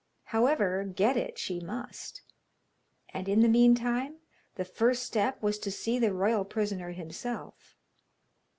However, get it she must, and in the meantime the first step was to see the royal prisoner himself.